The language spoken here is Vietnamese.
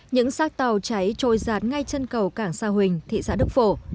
những xác tàu cháy trôi giạt ngay chân cầu cảng sa huỳnh thị xã đức phổ